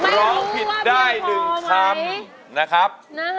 ร้องผิดได้๑คำนะครับ